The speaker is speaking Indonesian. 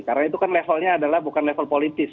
karena itu kan levelnya adalah bukan level politis